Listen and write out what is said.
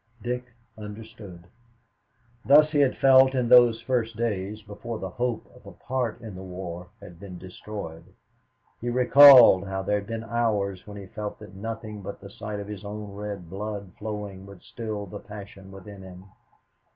Dick understood. Thus he had felt in those first days before the hope of a part in the war had been destroyed. He recalled how there had been hours when he felt that nothing but the sight of his own red blood flowing would still the passion within him.